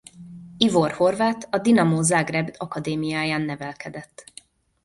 Ivor Horvat a Dinamo Zagreb akadémiáján nevelkedett.